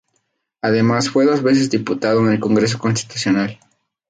Además fue dos veces diputado en el Congreso Constitucional.